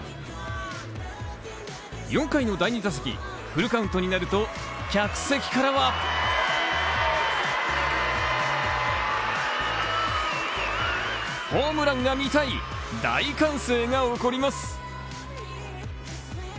４回の第２打席、フルカウントになると、客席からはホームランが見たい大歓声が起こります。